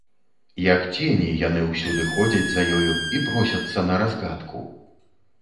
Як цені, яны ўсюды ходзяць за ёю і просяцца на разгадку.